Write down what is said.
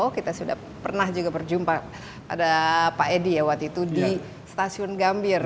kita sudah pernah juga berjumpa pada pak edi ya waktu itu di stasiun gambir